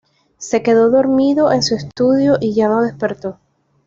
Se quedó dormido en su estudio y ya no despertó.